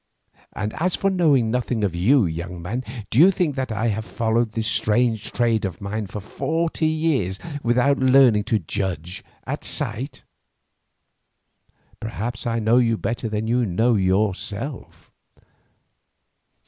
And as for knowing nothing of you, young man, do you think that I have followed this strange trade of mine for forty years without learning to judge at sight? Perhaps I know you better than you know yourself.